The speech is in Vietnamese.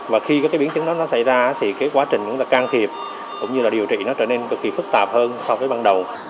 và khi các biến chứng đó xảy ra thì quá trình can thiệp cũng như điều trị trở nên cực kỳ phức tạp hơn so với ban đầu